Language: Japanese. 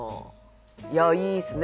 いやいいっすね。